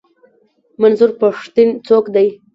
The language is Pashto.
منظور پښتين څوک دی؟